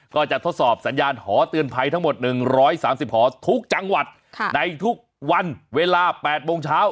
ก็จะทดสอบสัญญาณหอเตือนภัยทั้งหมด๑๓๐หอทุกจังหวัดในทุกวันเวลา๘โมงเช้า